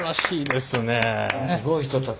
すごい人たち。